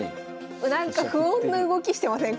なんか不穏な動きしてません？